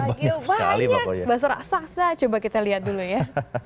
banyak banyak bakso raksasa coba kita lihat dulu ya